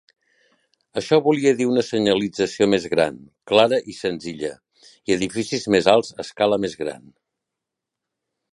Això volia dir una senyalització més gran, clara i senzilla, i edificis més alts a escala més gran.